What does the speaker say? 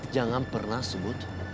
jangan pernah sebut